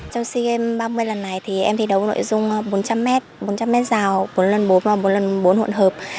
trong sea games ba mươi lần này thì em thi đấu nội dung bốn trăm linh m bốn trăm linh m rào bốn x bốn và bốn x bốn hộn hợp